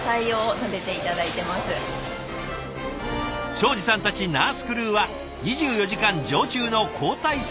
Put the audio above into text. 庄司さんたちナースクルーは２４時間常駐の交代制勤務。